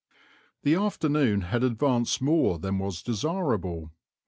The afternoon had advanced more than was desirable.